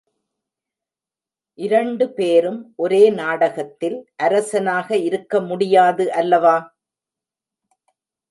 இரண்டு பேரும் ஒரே நாடகத்தில் அரசனாக இருக்க முடியாது அல்லவா?